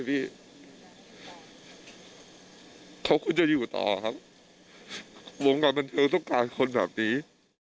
พี่เขาควรจะอยู่ต่อครับวงการบันเทิงต้องการคนแบบนี้